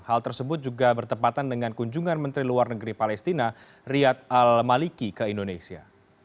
hal tersebut juga bertepatan dengan kunjungan menteri luar negeri palestina riyad al maliki ke indonesia